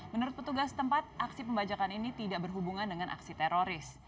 menurut petugas tempat aksi pembajakan ini tidak berhubungan dengan aksi teroris